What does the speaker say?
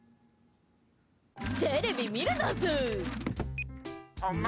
テレビ見るざんす！